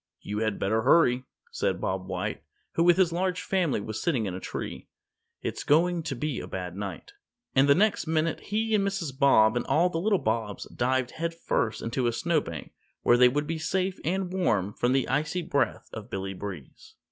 "You had better hurry," said Bob White, who with his large family was sitting in a tree, "it's going to be a bad night," and the next minute he and Mrs. Bob and all the little Bobs dived headfirst into a snowbank where they would be safe and warm from the icy breath of Billy Breeze.